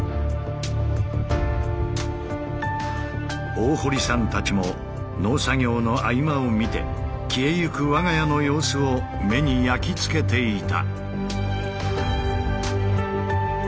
大堀さんたちも農作業の合間を見て消えゆく我が家の様子を目に焼き付けていた。